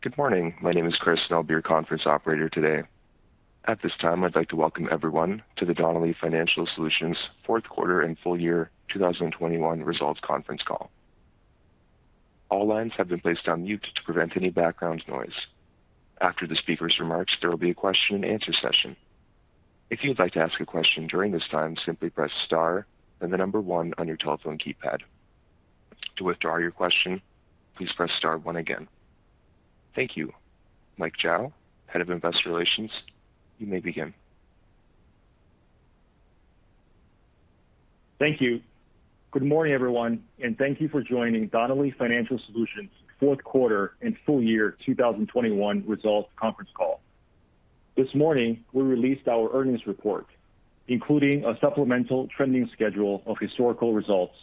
Good morning. My name is Chris Nelbeer, Conference Operator today. At this time, I'd like to welcome everyone to the Donnelley Financial Solutions fourth quarter and full year 2021 results conference call. All lines have been placed on mute to prevent any background noise. After the speaker's remarks, there will be a question and answer session. If you'd like to ask a question during this time, simply press star, then the number one on your telephone keypad. To withdraw your question, please press star one again. Thank you. Mike Zhao, Head of Investor Relations, you may begin. Thank you. Good morning, everyone, and thank you for joining Donnelley Financial Solutions fourth quarter and full year 2021 results conference call. This morning, we released our earnings report, including a supplemental trending schedule of historical results,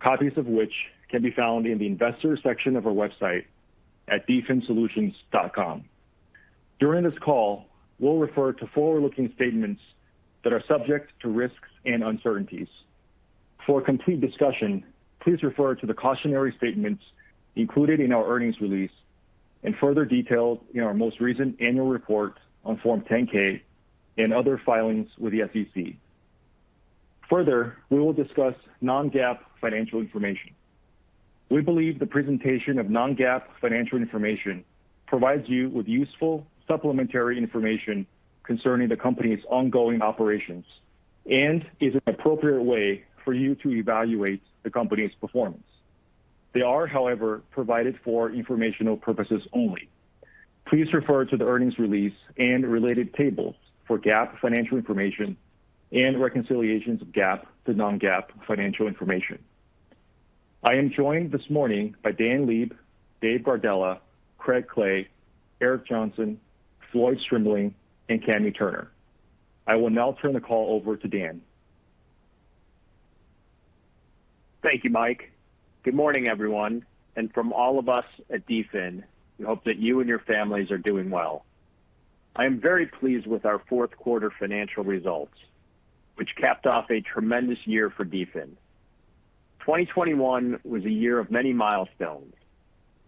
copies of which can be found in the investors section of our website at dfinsolutions.com. During this call, we'll refer to forward-looking statements that are subject to risks and uncertainties. For a complete discussion, please refer to the cautionary statements included in our earnings release and further detailed in our most recent annual report on Form 10-K and other filings with the SEC. Further, we will discuss non-GAAP financial information. We believe the presentation of non-GAAP financial information provides you with useful supplementary information concerning the company's ongoing operations and is an appropriate way for you to evaluate the company's performance. They are, however, provided for informational purposes only. Please refer to the earnings release and related tables for GAAP financial information and reconciliations of GAAP to non-GAAP financial information. I am joined this morning by Dan Leib, Dave Gardella, Craig Clay, Eric Johnson, Floyd Strimling, and Kami Turner. I will now turn the call over to Dan. Thank you, Mike. Good morning, everyone. From all of us at DFIN, we hope that you and your families are doing well. I am very pleased with our fourth quarter financial results, which capped off a tremendous year for DFIN. 2021 was a year of many milestones.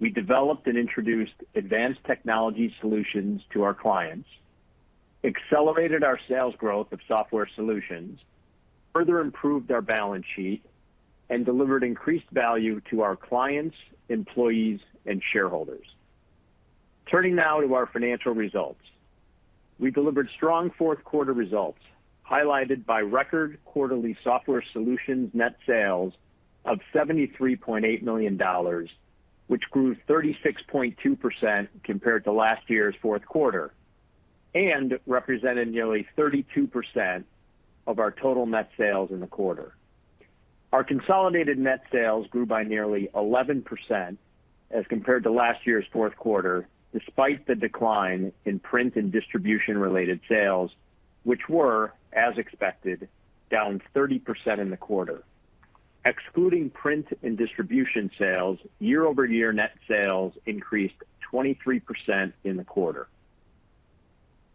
We developed and introduced advanced technology solutions to our clients, accelerated our sales growth of software solutions, further improved our balance sheet, and delivered increased value to our clients, employees, and shareholders. Turning now to our financial results. We delivered strong fourth quarter results, highlighted by record quarterly software solutions net sales of $73.8 million, which grew 36.2% compared to last year's fourth quarter, and represented nearly 32% of our total net sales in the quarter. Our consolidated net sales grew by nearly 11% as compared to last year's fourth quarter, despite the decline in print and distribution-related sales, which were, as expected, down 30% in the quarter. Excluding print and distribution sales, year-over-year net sales increased 23% in the quarter.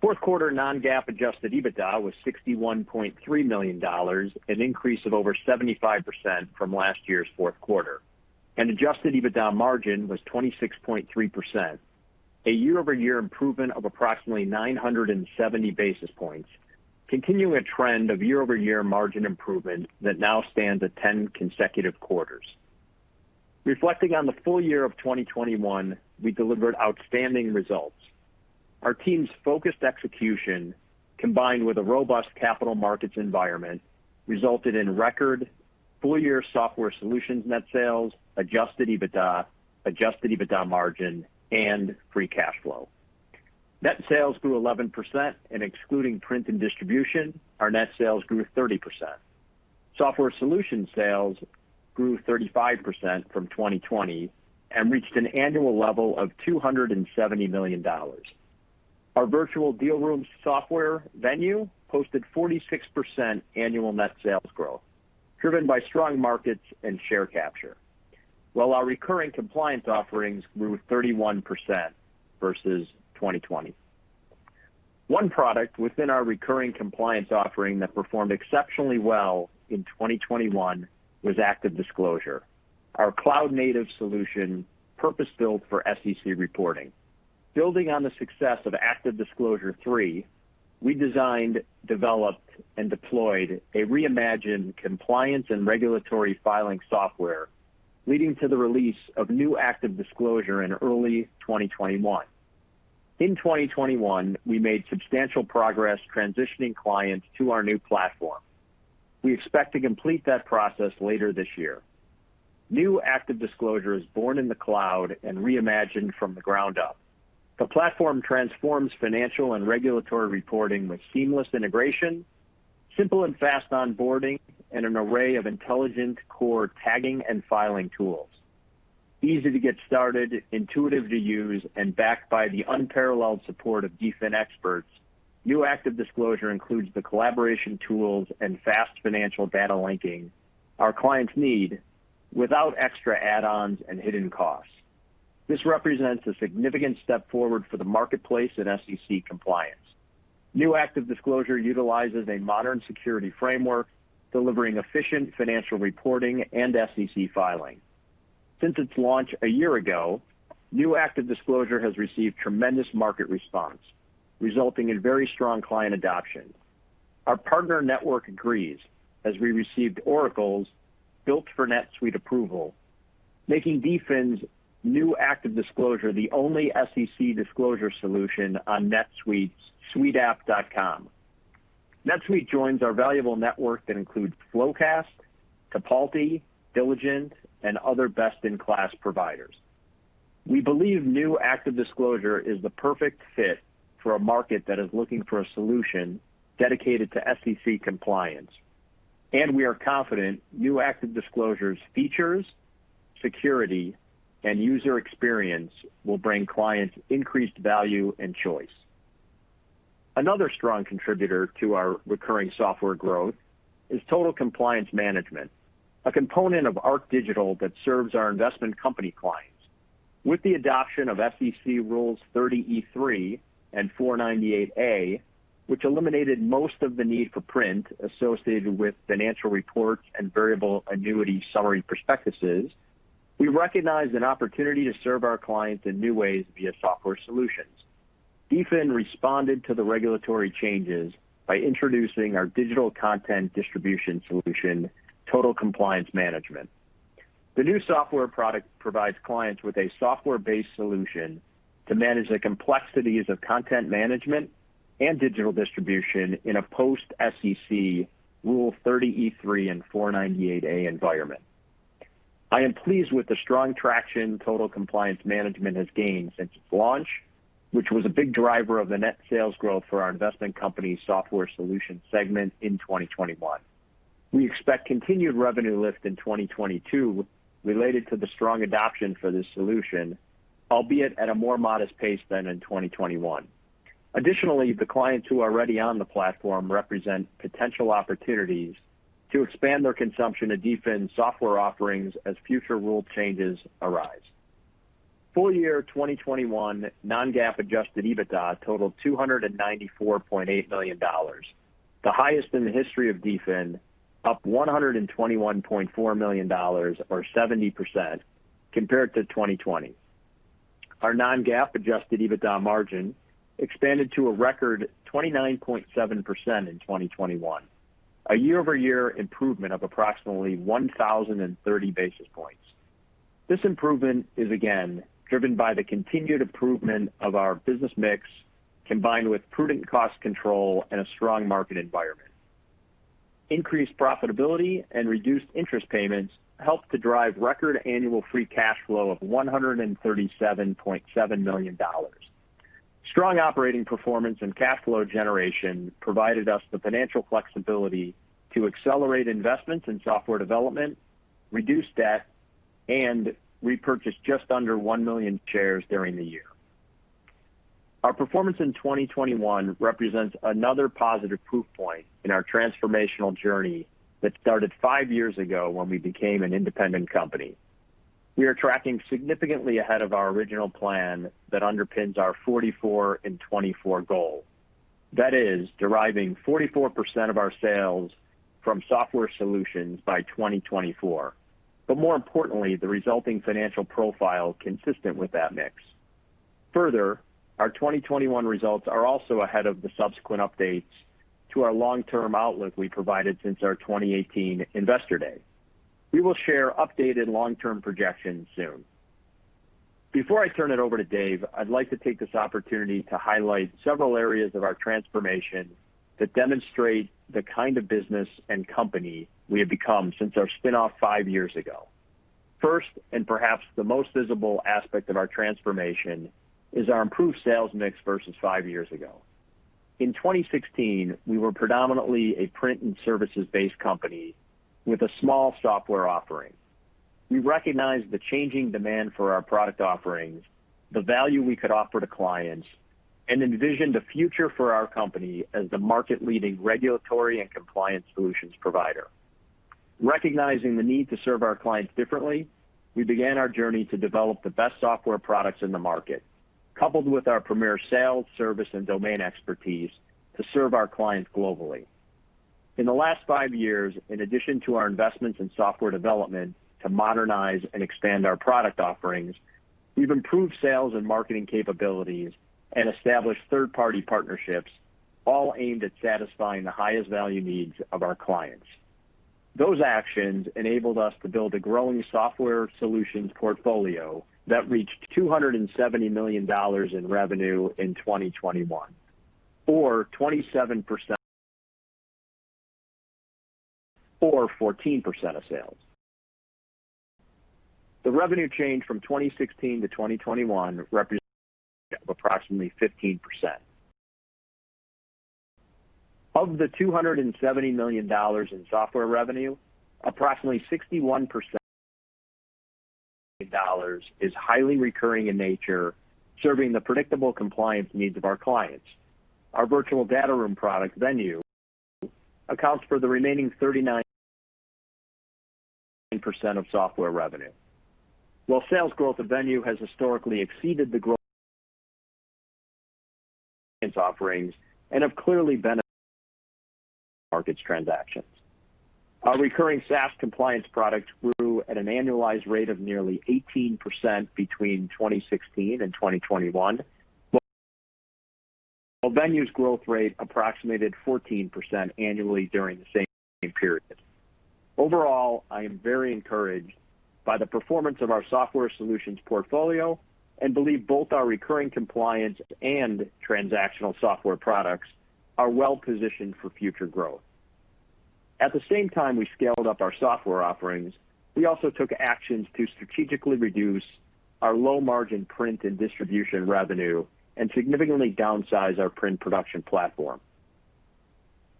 Fourth quarter non-GAAP Adjusted EBITDA was $61.3 million, an increase of over 75% from last year's fourth quarter. Adjusted EBITDA margin was 26.3%, a year-over-year improvement of approximately 970 basis points, continuing a trend of year-over-year margin improvement that now stands at 10 consecutive quarters. Reflecting on the full year of 2021, we delivered outstanding results. Our team's focused execution combined with a robust capital markets environment resulted in record full-year software solutions net sales, Adjusted EBITDA, Adjusted EBITDA margin, and free cash flow. Net sales grew 11% and excluding print and distribution, our net sales grew 30%. Software solution sales grew 35% from 2020 and reached an annual level of $270 million. Our virtual deal room software Venue posted 46% annual net sales growth, driven by strong markets and share capture. While our recurring compliance offerings grew 31% versus 2020. One product within our recurring compliance offering that performed exceptionally well in 2021 was ActiveDisclosure, our cloud-native solution purpose-built for SEC reporting. Building on the success of ActiveDisclosure 3, we designed, developed, and deployed a reimagined compliance and regulatory filing software, leading to the release of New ActiveDisclosure in early 2021. In 2021, we made substantial progress transitioning clients to our new platform. We expect to complete that process later this year. New ActiveDisclosure is born in the cloud and reimagined from the ground up. The platform transforms financial and regulatory reporting with seamless integration, simple and fast onboarding, and an array of intelligent core tagging and filing tools. Easy to get started, intuitive to use, and backed by the unparalleled support of DFIN experts, New ActiveDisclosure includes the collaboration tools and fast financial data linking our clients need without extra add-ons and hidden costs. This represents a significant step forward for the marketplace in SEC compliance. New ActiveDisclosure utilizes a modern security framework, delivering efficient financial reporting and SEC filing. Since its launch a year ago, New ActiveDisclosure has received tremendous market response, resulting in very strong client adoption. Our partner network agrees as we received Oracle's Built for NetSuite approval, making DFIN's New ActiveDisclosure the only SEC disclosure solution on NetSuite's SuiteApp.com. NetSuite joins our valuable network that includes FloQast, Tipalti, Diligent, and other best-in-class providers. We believe New ActiveDisclosure is the perfect fit for a market that is looking for a solution dedicated to SEC compliance, and we are confident New ActiveDisclosure's features, security, and user experience will bring clients increased value and choice. Another strong contributor to our recurring software growth is Total Compliance Management, a component of Arc Digital that serves our investment company clients. With the adoption of SEC Rules 30e-3 and 498A, which eliminated most of the need for print associated with financial reports and variable annuity summary prospectuses, we recognized an opportunity to serve our clients in new ways via software solutions. DFIN responded to the regulatory changes by introducing our digital content distribution solution, Total Compliance Management. The new software product provides clients with a software-based solution to manage the complexities of content management and digital distribution in a post-SEC Rule 30e-3 and 498A environment. I am pleased with the strong traction Total Compliance Management has gained since its launch, which was a big driver of the net sales growth for our investment company software solution segment in 2021. We expect continued revenue lift in 2022 related to the strong adoption for this solution, albeit at a more modest pace than in 2021. Additionally, the clients who are already on the platform represent potential opportunities to expand their consumption of DFIN software offerings as future rule changes arise. Full year 2021 non-GAAP Adjusted EBITDA totaled $294.8 million, the highest in the history of DFIN, up $121.4 million or 70% compared to 2020. Our non-GAAP Adjusted EBITDA margin expanded to a record 29.7% in 2021, a year-over-year improvement of approximately 1,030 basis points. This improvement is again driven by the continued improvement of our business mix, combined with prudent cost control and a strong market environment. Increased profitability and reduced interest payments helped to drive record annual free cash flow of $137.7 million. Strong operating performance and cash flow generation provided us the financial flexibility to accelerate investments in software development, reduce debt, and repurchase just under 1 million shares during the year. Our performance in 2021 represents another positive proof point in our transformational journey that started five years ago when we became an independent company. We are tracking significantly ahead of our original plan that underpins our 44 in 2024 goal. That is deriving 44% of our sales from software solutions by 2024. More importantly, the resulting financial profile is consistent with that mix. Further, our 2021 results are also ahead of the subsequent updates to our long-term outlook we provided since our 2018 investor day. We will share updated long-term projections soon. Before I turn it over to Dave, I'd like to take this opportunity to highlight several areas of our transformation that demonstrate the kind of business and company we have become since our spin-off five years ago. First, and perhaps the most visible aspect of our transformation, is our improved sales mix versus five years ago. In 2016, we were predominantly a print and services-based company with a small software offering. We recognized the changing demand for our product offerings, the value we could offer to clients, and envisioned a future for our company as the market-leading regulatory and compliance solutions provider. Recognizing the need to serve our clients differently, we began our journey to develop the best software products in the market, coupled with our premier sales, service, and domain expertise to serve our clients globally. In the last five years, in addition to our investments in software development to modernize and expand our product offerings, we've improved sales and marketing capabilities and established third-party partnerships all aimed at satisfying the highest value needs of our clients. Those actions enabled us to build a growing software solutions portfolio that reached $270 million in revenue in 2021, or 27% or 14% of sales. The revenue change from 2016 to 2021 represents approximately 15%. Of the $270 million in software revenue, approximately 61% of the dollars is highly recurring in nature, serving the predictable compliance needs of our clients. Our virtual data room product Venue accounts for the remaining 39% of software revenue. While sales growth of Venue has historically exceeded the growth of its offerings and have clearly benefited from M&A transactions. Our recurring SaaS compliance product grew at an annualized rate of nearly 18% between 2016 and 2021. While Venue's growth rate approximated 14% annually during the same period. Overall, I am very encouraged by the performance of our software solutions portfolio and believe both our recurring compliance and transactional software products are well positioned for future growth. At the same time we scaled up our software offerings, we also took actions to strategically reduce our low-margin print and distribution revenue and significantly downsize our print production platform.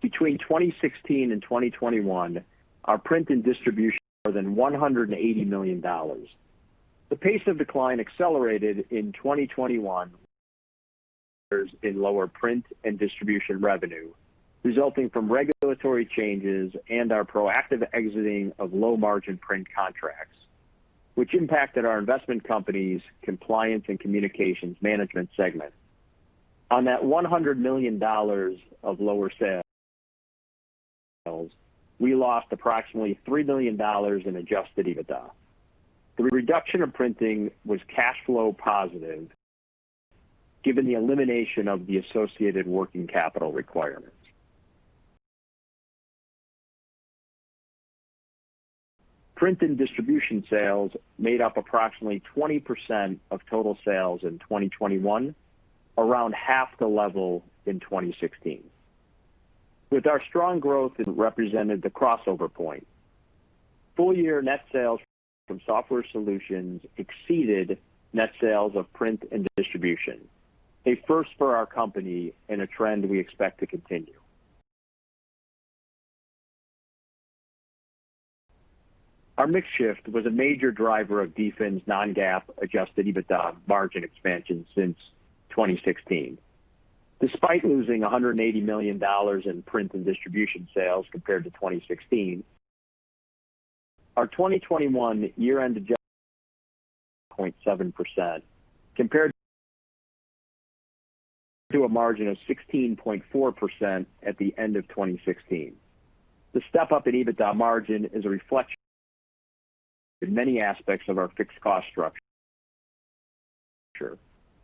Between 2016 and 2021, our print and distribution revenue declined by more than $180 million. The pace of decline accelerated in 2021 with lower print and distribution revenue, resulting from regulatory changes and our proactive exiting of low-margin print contracts, which impacted our Investment Company Compliance and Communications Management segment. On that $100 million of lower sales we lost approximately $3 million in Adjusted EBITDA. The reduction of printing was cash flow positive given the elimination of the associated working capital requirements. Print and distribution sales made up approximately 20% of total sales in 2021, around half the level in 2016. With our strong growth, it represented the crossover point. Full-year net sales from software solutions exceeded net sales of print and distribution, a first for our company and a trend we expect to continue. Our mix shift was a major driver of DFIN's non-GAAP Adjusted EBITDA margin expansion since 2016. Despite losing $180 million in print and distribution sales compared to 2016, our 2021 year-end adjusted margin was 27.7% compared to a margin of 16.4% at the end of 2016. The step up in EBITDA margin is a reflection in many aspects of our fixed cost structure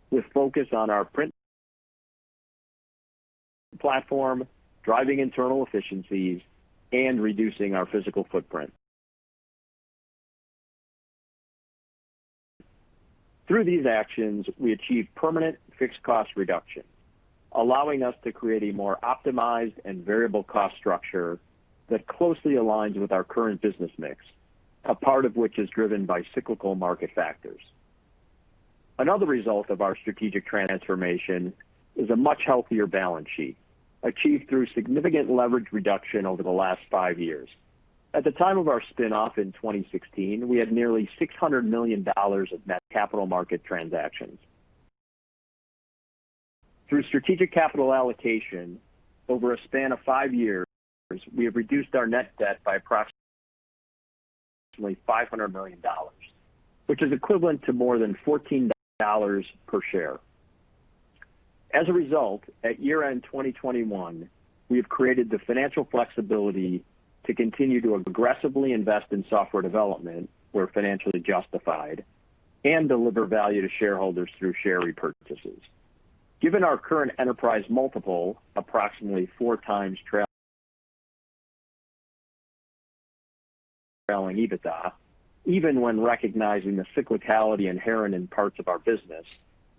with focus on our print platform, driving internal efficiencies, and reducing our physical footprint. Through these actions, we achieved permanent fixed cost reduction, allowing us to create a more optimized and variable cost structure that closely aligns with our current business mix, a part of which is driven by cyclical market factors. Another result of our strategic transformation is a much healthier balance sheet, achieved through significant leverage reduction over the last five years. At the time of our spin-off in 2016, we had nearly $600 million of net capital market transactions. Through strategic capital allocation over a span of five years, we have reduced our net debt by approximately $500 million, which is equivalent to more than $14 per share. As a result, at year-end 2021, we have created the financial flexibility to continue to aggressively invest in software development where financially justified and deliver value to shareholders through share repurchases. Given our current enterprise multiple, approximately 4x trailing EBITDA, even when recognizing the cyclicality inherent in parts of our business,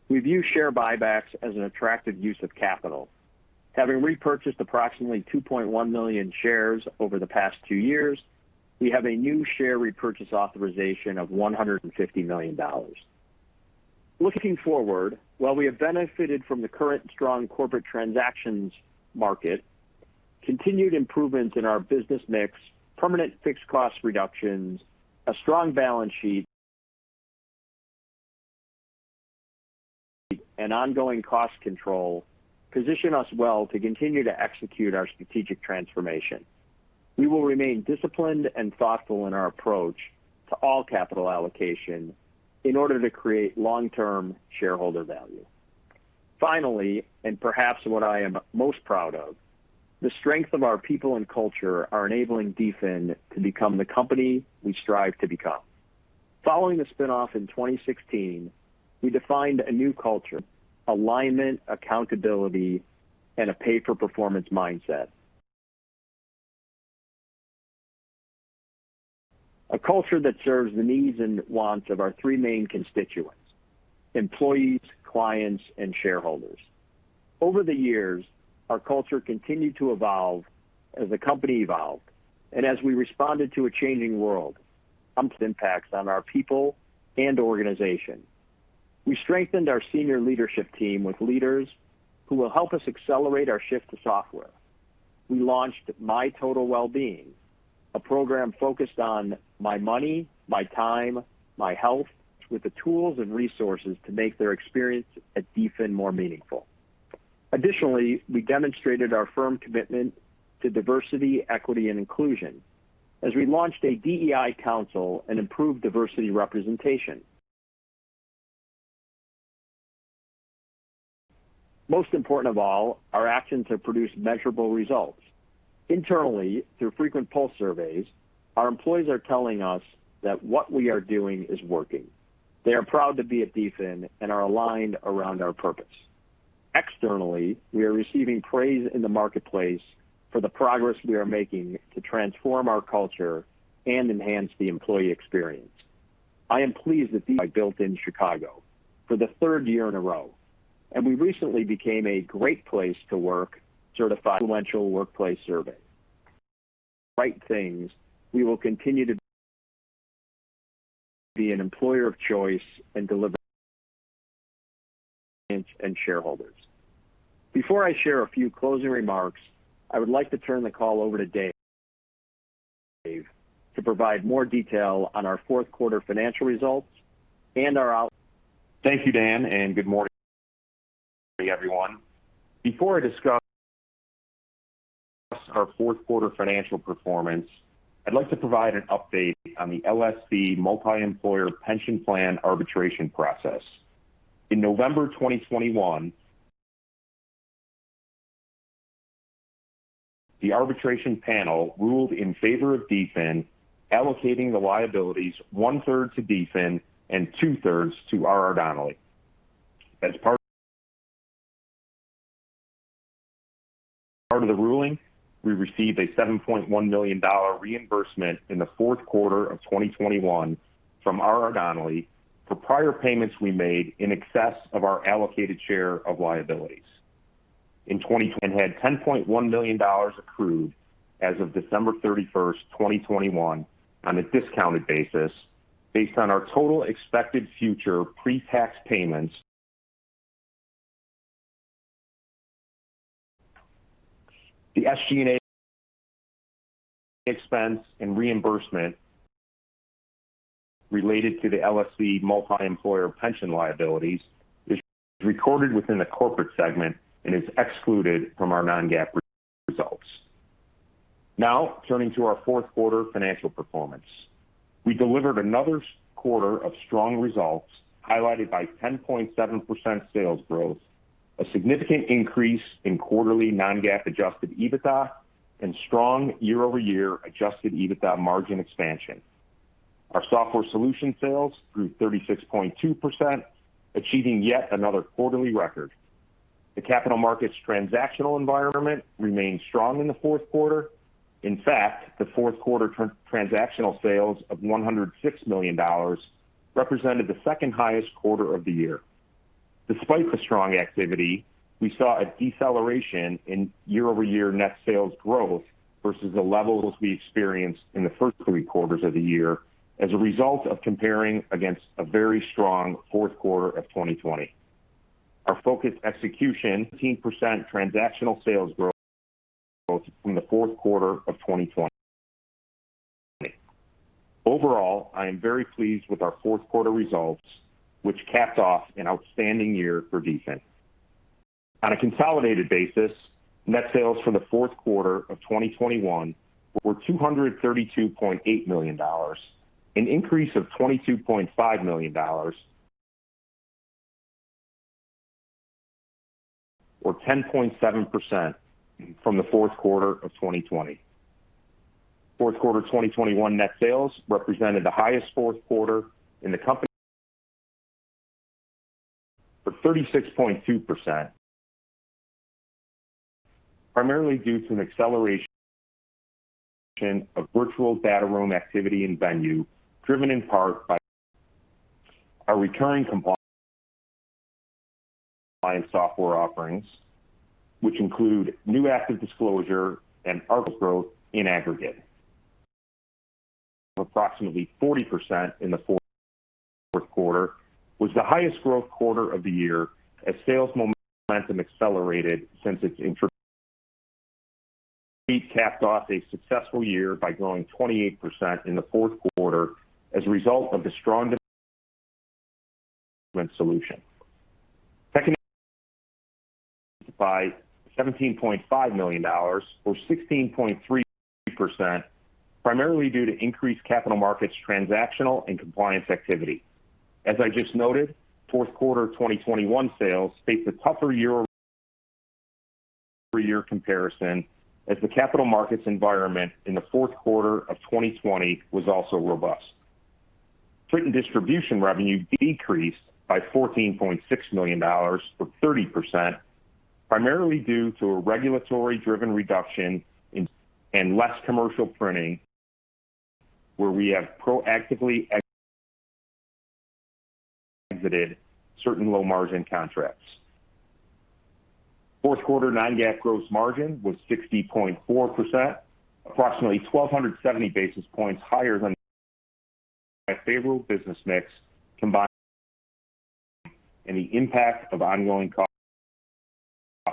we view share buybacks as an attractive use of capital. Having repurchased approximately 2.1 million shares over the past two years, we have a new share repurchase authorization of $150 million. Looking forward, while we have benefited from the current strong corporate transactions market, continued improvements in our business mix, permanent fixed cost reductions, a strong balance sheet, and ongoing cost control position us well to continue to execute our strategic transformation. We will remain disciplined and thoughtful in our approach to all capital allocation in order to create long-term shareholder value. Finally, and perhaps what I am most proud of, the strength of our people and culture are enabling DFIN to become the company we strive to become. Following the spin-off in 2016, we defined a new culture. Alignment, accountability, and a pay-for-performance mindset. A culture that serves the needs and wants of our three main constituents. Employees, clients, and shareholders. Over the years, our culture continued to evolve as the company evolved. As we responded to a changing world, impacts on our people and organization. We strengthened our senior leadership team with leaders who will help us accelerate our shift to software. We launched My Total Wellbeing, a program focused on my money, my time, my health, with the tools and resources to make their experience at DFIN more meaningful. Additionally, we demonstrated our firm commitment to diversity, equity, and inclusion as we launched a DEI council and improved diversity representation. Most important of all, our actions have produced measurable results. Internally, through frequent pulse surveys, our employees are telling us that what we are doing is working. They are proud to be at DFIN and are aligned around our purpose. Externally, we are receiving praise in the marketplace for the progress we are making to transform our culture and enhance the employee experience. I am pleased that DFIN Built In Chicago for the third year in a row, and we recently became Great Place to Work Certified. Doing the right things, we will continue to be an employer of choice and deliver to shareholders. Before I share a few closing remarks, I would like to turn the call over to Dave to provide more detail on our fourth quarter financial results and our out- Thank you, Dan, and good morning, everyone. Before I discuss our fourth quarter financial performance, I'd like to provide an update on the LSC Multi-Employer Pension Plan arbitration process. In November 2021, the arbitration panel ruled in favor of DFIN, allocating the liabilities 1/3 to DFIN and 2/3 to R.R. Donnelley. As part of the ruling, we received a $7.1 million reimbursement in the fourth quarter of 2021 from R.R. Donnelley for prior payments we made in excess of our allocated share of liabilities. We had $10.1 million accrued as of December 31, 2021 on a discounted basis based on our total expected future pre-tax payments. The SG&A expense and reimbursement related to the LSC Multi-Employer Pension Plan liabilities is recorded within the corporate segment and is excluded from our non-GAAP results. Now, turning to our fourth quarter financial performance. We delivered another quarter of strong results, highlighted by 10.7% sales growth, a significant increase in quarterly non-GAAP Adjusted EBITDA, and strong year-over-year Adjusted EBITDA margin expansion. Our software solution sales grew 36.2%, achieving yet another quarterly record. The capital markets transactional environment remained strong in the fourth quarter. In fact, the fourth quarter transactional sales of $106 million represented the second-highest quarter of the year. Despite the strong activity, we saw a deceleration in year-over-year net sales growth versus the levels we experienced in the first three quarters of the year as a result of comparing against a very strong fourth quarter of 2020, with 10% transactional sales growth from the fourth quarter of 2020. Overall, I am very pleased with our fourth quarter results, which capped off an outstanding year for DFIN. On a consolidated basis, net sales for the fourth quarter of 2021 were $232.8 million, an increase of $22.5 million or 10.7% from the fourth quarter of 2020. Fourth quarter 2021 net sales represented the highest fourth quarter in the company for 36.2%, primarily due to an acceleration of virtual data room activity in Venue, driven in part by our recurring compliance software offerings, which include New ActiveDisclosure and growth in aggregate. Approximately 40% in the fourth quarter was the highest growth quarter of the year as sales momentum accelerated since its intro. Capped off a successful year by growing 28% in the fourth quarter as a result of the strong solution. Second, by $17.5 million or 16.3%, primarily due to increased capital markets transactional and compliance activity. Fourth quarter 2021 sales faced a tougher year-over-year comparison as the capital markets environment in the fourth quarter of 2020 was also robust. Print and distribution revenue decreased by $14.6 million or 30%, primarily due to a regulatory-driven reduction in and less commercial printing, where we have proactively exited certain low-margin contracts. Fourth quarter non-GAAP gross margin was 60.4%, approximately 1,270 basis points higher than favorable business mix combined, and the impact of ongoing cost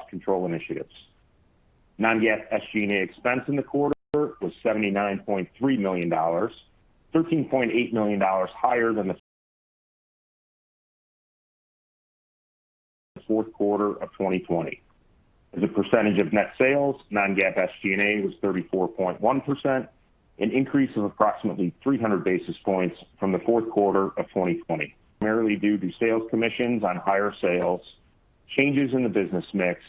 control initiatives. Non-GAAP SG&A expense in the quarter was $79.3 million, $13.8 million higher than the fourth quarter of 2020. As a percentage of net sales, non-GAAP SG&A was 34.1%, an increase of approximately 300 basis points from the fourth quarter of 2020. Primarily due to sales commissions on higher sales, changes in the business mix,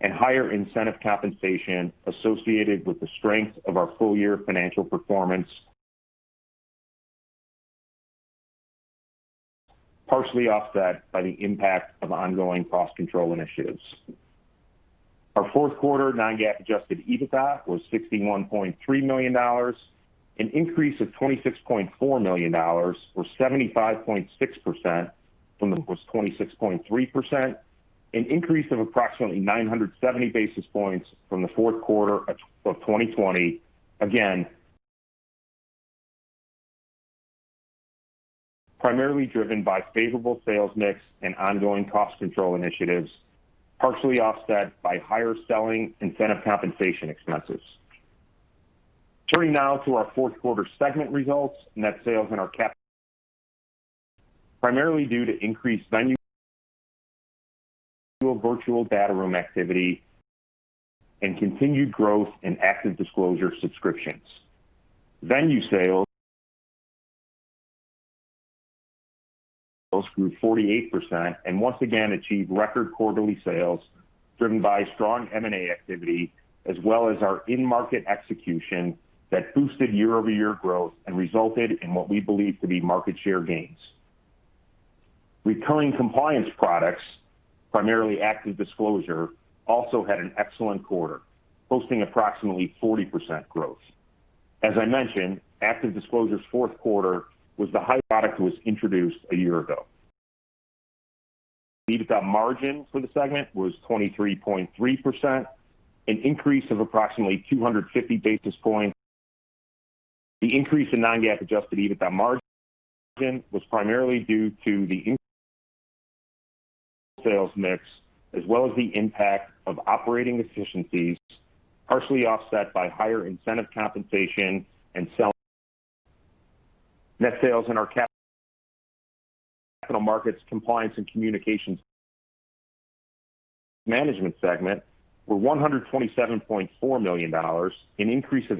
and higher incentive compensation associated with the strength of our full-year financial performance. Partially offset by the impact of ongoing cost control initiatives. Our fourth quarter non-GAAP Adjusted EBITDA was $61.3 million, an increase of $26.4 million or 75.6%. Our non-GAAP Adjusted EBITDA margin was 26.3%, an increase of approximately 970 basis points from the fourth quarter of 2020. Primarily driven by favorable sales mix and ongoing cost control initiatives, partially offset by higher selling incentive compensation expenses. Turning now to our fourth quarter segment results. Net sales in our Capital Markets segment primarily due to increased Venue virtual data room activity and continued growth in ActiveDisclosure subscriptions. Venue sales grew 48% and once again achieved record quarterly sales driven by strong M&A activity as well as our in-market execution that boosted year-over-year growth and resulted in what we believe to be market share gains. Recurring compliance products, primarily ActiveDisclosure, also had an excellent quarter, posting approximately 40% growth. As I mentioned, ActiveDisclosure's fourth quarter since the New ActiveDisclosure was introduced a year ago. EBITDA margin for the segment was 23.3%, an increase of approximately 250 basis points. The increase in non-GAAP Adjusted EBITDA margin was primarily due to the increased sales mix as well as the impact of operating efficiencies, partially offset by higher incentive compensation and selling. Net sales in our Capital Markets, Compliance and Communications Management segment were $127.4 million, an increase of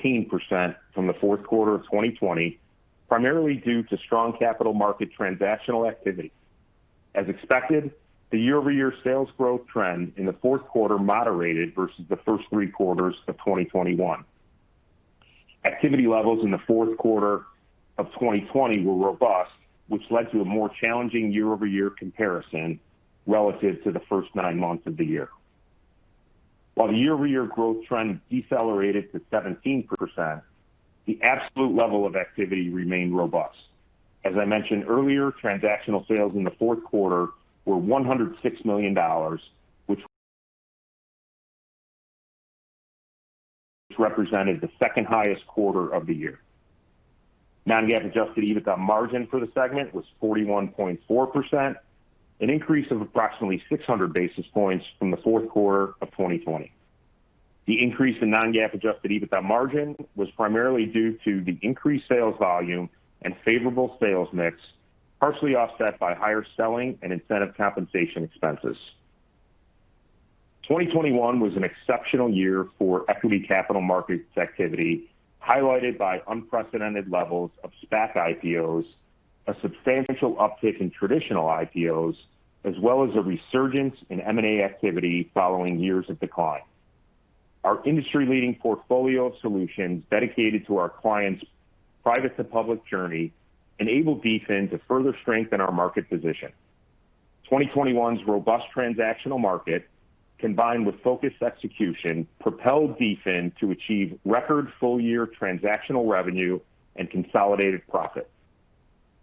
18% from the fourth quarter of 2020, primarily due to strong capital market transactional activity. As expected, the year-over-year sales growth trend in the fourth quarter moderated versus the first three quarters of 2021. Activity levels in the fourth quarter of 2020 were robust, which led to a more challenging year-over-year comparison relative to the first nine months of the year. While the year-over-year growth trend decelerated to 17%, the absolute level of activity remained robust. As I mentioned earlier, transactional sales in the fourth quarter were $106 million, which represented the second highest quarter of the year. non-GAAP Adjusted EBITDA margin for the segment was 41.4%, an increase of approximately 600 basis points from the fourth quarter of 2020. The increase in non-GAAP Adjusted EBITDA margin was primarily due to the increased sales volume and favorable sales mix, partially offset by higher selling and incentive compensation expenses. 2021 was an exceptional year for equity capital markets activity, highlighted by unprecedented levels of SPAC IPOs, a substantial uptick in traditional IPOs, as well as a resurgence in M&A activity following years of decline. Our industry-leading portfolio of solutions dedicated to our clients' private to public journey enabled DFIN to further strengthen our market position. 2021's robust transactional market, combined with focused execution, propelled DFIN to achieve record full-year transactional revenue and consolidated profits.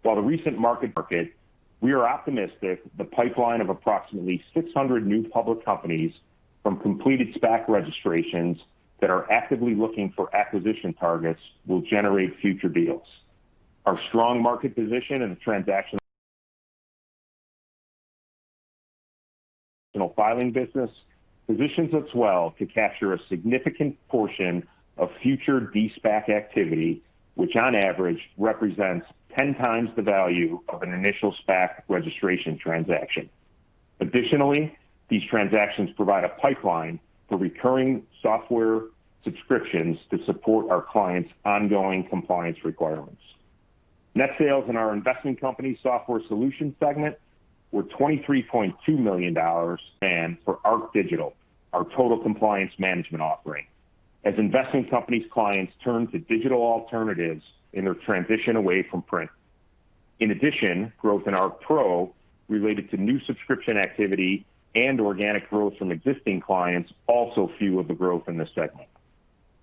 While the recent market, we are optimistic the pipeline of approximately 600 new public companies from completed SPAC registrations that are actively looking for acquisition targets will generate future deals. Our strong market position in the transactional filing business positions us well to capture a significant portion of future de-SPAC activity, which on average represents 10x the value of an initial SPAC registration transaction. Additionally, these transactions provide a pipeline for recurring software subscriptions to support our clients' ongoing compliance requirements. Net sales in our investment company software solutions segment were $23.2 million for ArcSuite, our Total Compliance Management offering, as investment companies' clients turn to digital alternatives in their transition away from print. In addition, growth in ArcPro related to new subscription activity and organic growth from existing clients also fueled the growth in this segment.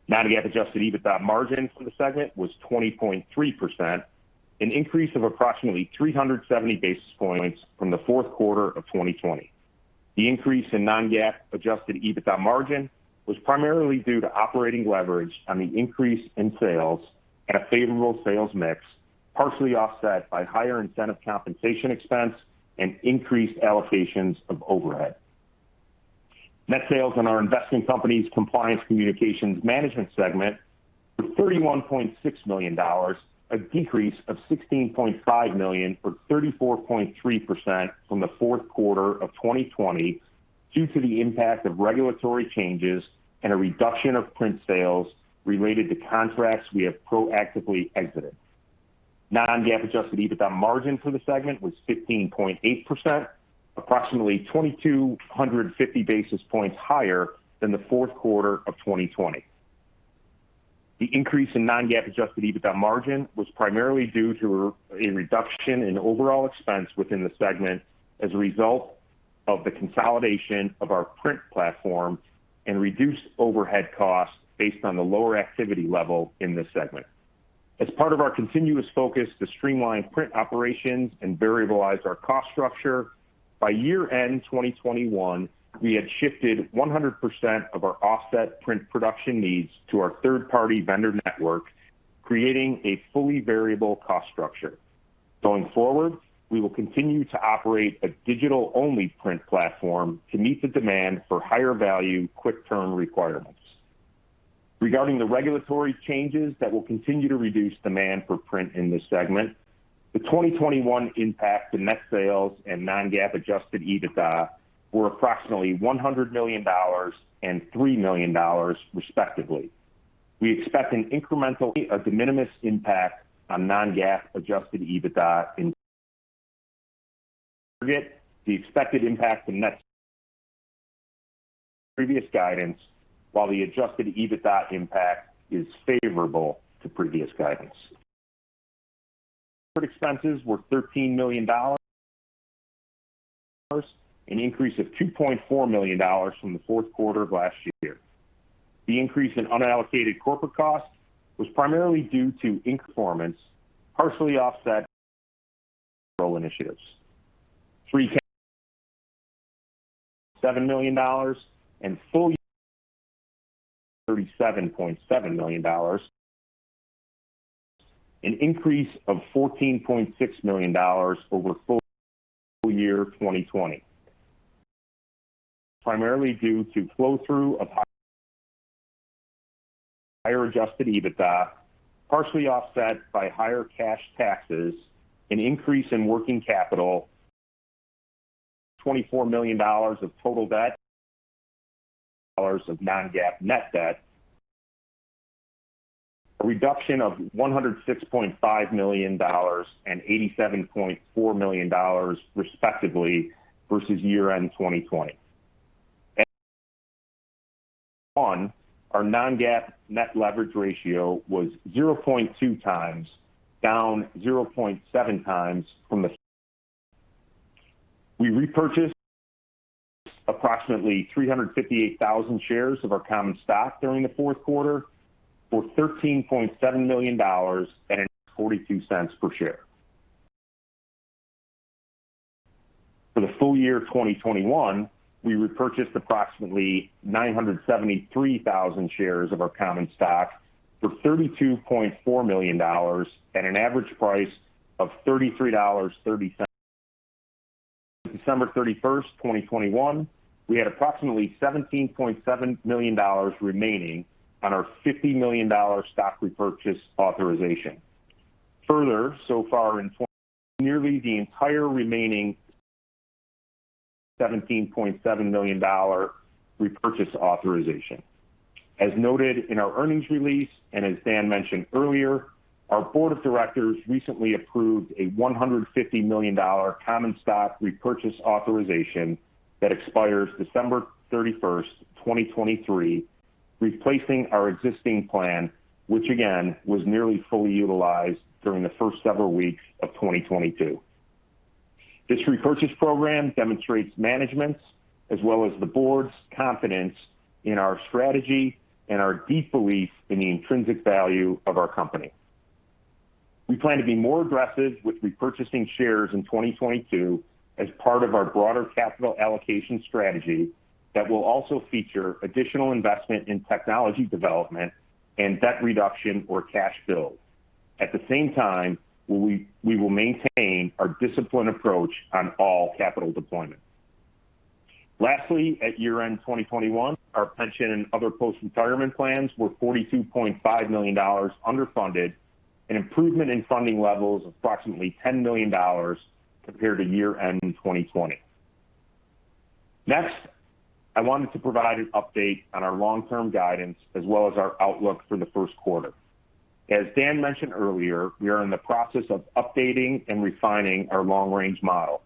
Non-GAAP Adjusted EBITDA margin for the segment was 20.3%, an increase of approximately 370 basis points from the fourth quarter of 2020. The increase in non-GAAP Adjusted EBITDA margin was primarily due to operating leverage on the increase in sales and a favorable sales mix, partially offset by higher incentive compensation expense and increased allocations of overhead. Net sales in our investment companies' compliance communications management segment were $31.6 million, a decrease of $16.5 million, or 34.3% from the fourth quarter of 2020 due to the impact of regulatory changes and a reduction of print sales related to contracts we have proactively exited. Non-GAAP Adjusted EBITDA margin for the segment was 15.8%, approximately 2,250 basis points higher than the fourth quarter of 2020. The increase in non-GAAP Adjusted EBITDA margin was primarily due to a reduction in overall expense within the segment as a result of the consolidation of our print platform and reduced overhead costs based on the lower activity level in this segment. As part of our continuous focus to streamline print operations and variabilize our cost structure, by year-end 2021, we had shifted 100% of our offset print production needs to our third-party vendor network, creating a fully variable cost structure. Going forward, we will continue to operate a digital-only print platform to meet the demand for higher value, quick-turn requirements. Regarding the regulatory changes that will continue to reduce demand for print in this segment, the 2021 impact to net sales and non-GAAP Adjusted EBITDA were approximately $100 million and $3 million, respectively. We expect a de minimis impact on non-GAAP Adjusted EBITDA in the expected impact to net previous guidance, while the Adjusted EBITDA impact is favorable to previous guidance. Expenses were $13 million, an increase of $2.4 million from the fourth quarter of last year. The increase in unallocated corporate costs was primarily due to partially offset initiatives. Free ca-- $7 million and full y- $37.7 million, an increase of $14.6 million over full year 2020. primarily due to flow-through of higher Adjusted EBITDA, partially offset by higher cash taxes, an increase in working capital $24 million of total debt dollars of non-GAAP net debt, a reduction of $106.5 million and $87.4 million respectively versus year-end 2020. Our non-GAAP net leverage ratio was 0.2x, down 0.7x from the. We repurchased approximately 358,000 shares of our common stock during the fourth quarter for $13.7 million at $0.42 per share. For the full year 2021, we repurchased approximately 973,000 shares of our common stock for $32.4 million at an average price of $33.30. December 31, 2021, we had approximately $17.7 million remaining on our $50 million stock repurchase authorization. Further, so far in nearly the entire remaining $17.7 million dollar repurchase authorization. As noted in our earnings release, and as Dan mentioned earlier, our board of directors recently approved a $150 million common stock repurchase authorization that expires December 31, 2023, replacing our existing plan, which again was nearly fully utilized during the first several weeks of 2022. This repurchase program demonstrates management's as well as the board's confidence in our strategy and our deep belief in the intrinsic value of our company. We plan to be more aggressive with repurchasing shares in 2022 as part of our broader capital allocation strategy that will also feature additional investment in technology development and debt reduction or cash build. At the same time, we will maintain our disciplined approach on all capital deployment. Lastly, at year-end 2021, our pension and other post-retirement plans were $42.5 million underfunded, an improvement in funding levels of approximately $10 million compared to year-end 2020. Next, I wanted to provide an update on our long-term guidance as well as our outlook for the first quarter. As Dan mentioned earlier, we are in the process of updating and refining our long-range model.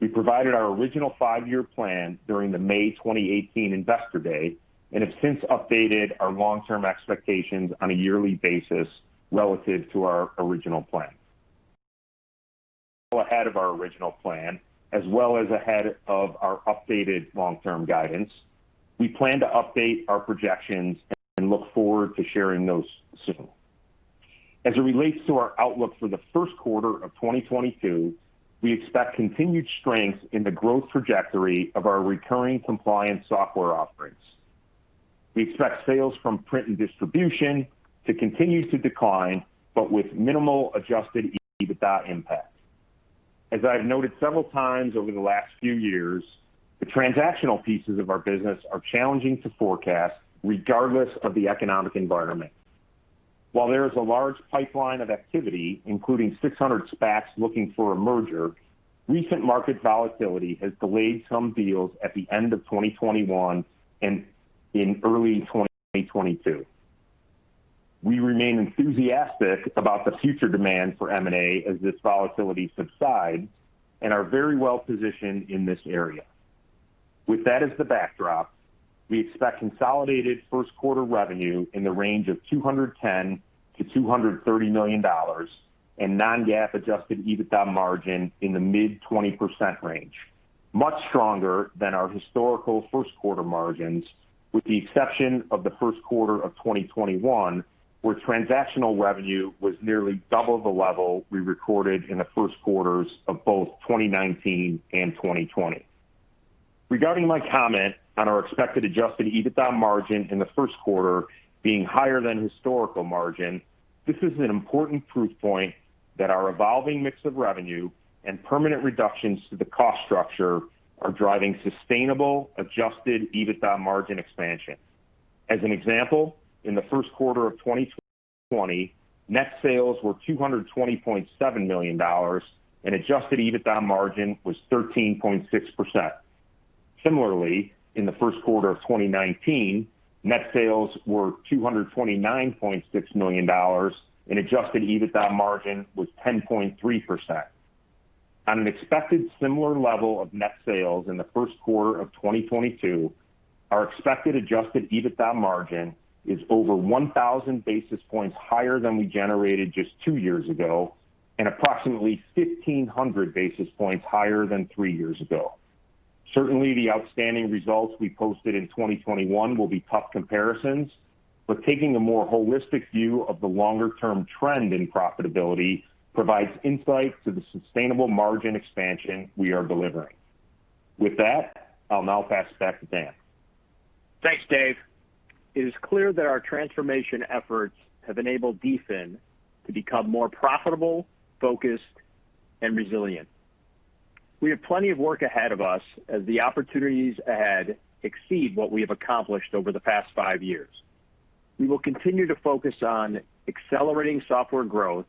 We provided our original five-year plan during the May 2018 Investor Day, and have since updated our long-term expectations on a yearly basis relative to our original plan. We are ahead of our original plan, as well as ahead of our updated long-term guidance. We plan to update our projections and look forward to sharing those soon. As it relates to our outlook for the first quarter of 2022, we expect continued strength in the growth trajectory of our recurring compliance software offerings. We expect sales from print and distribution to continue to decline, but with minimal Adjusted EBITDA impact. As I've noted several times over the last few years, the transactional pieces of our business are challenging to forecast regardless of the economic environment. While there is a large pipeline of activity, including 600 SPACs looking for a merger, recent market volatility has delayed some deals at the end of 2021 and in early 2022. We remain enthusiastic about the future demand for M&A as this volatility subsides and are very well positioned in this area. With that as the backdrop, we expect consolidated first quarter revenue in the range of $210 million-$230 million and non-GAAP Adjusted EBITDA margin in the mid-20% range, much stronger than our historical first quarter margins, with the exception of the first quarter of 2021, where transactional revenue was nearly double the level we recorded in the first quarters of both 2019 and 2020. Regarding my comment on our expected Adjusted EBITDA margin in the first quarter being higher than historical margin, this is an important proof point that our evolving mix of revenue and permanent reductions to the cost structure are driving sustainable Adjusted EBITDA margin expansion. As an example, in the first quarter of 2020, net sales were $220.7 million, and Adjusted EBITDA margin was 13.6%. Similarly, in the first quarter of 2019, net sales were $229.6 million, and Adjusted EBITDA margin was 10.3%. On an expected similar level of net sales in the first quarter of 2022, our expected Adjusted EBITDA margin is over 1,000 basis points higher than we generated just two years ago and approximately 1,500 basis points higher than three years ago. Certainly, the outstanding results we posted in 2021 will be tough comparisons, but taking a more holistic view of the longer-term trend in profitability provides insight to the sustainable margin expansion we are delivering. With that, I'll now pass it back to Dan. Thanks, Dave. It is clear that our transformation efforts have enabled DFIN to become more profitable, focused, and resilient. We have plenty of work ahead of us as the opportunities ahead exceed what we have accomplished over the past five years. We will continue to focus on accelerating software growth